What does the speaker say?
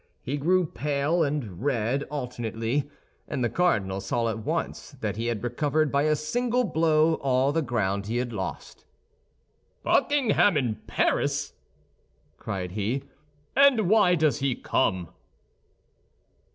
He grew pale and red alternately; and the cardinal saw at once that he had recovered by a single blow all the ground he had lost. "Buckingham in Paris!" cried he, "and why does he come?"